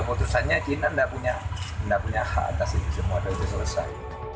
keputusannya china tidak punya hak atas itu semua dan itu selesai